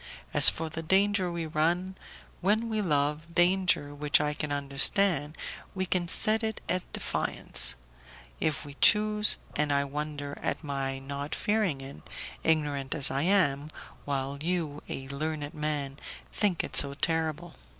As for the danger we run, when we love, danger which I can understand, we can set it at defiance, if we choose, and I wonder at my not fearing it, ignorant as I am, while you, a learned man, think it so terrible.